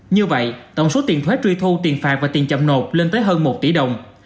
như vậy tổng số tiền thuế truy thu tiền phạt và tiền chậm nộp lên tới hơn một tỷ đồng